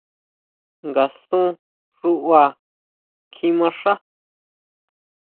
¿Ngasun xuʼbá kjimaxá?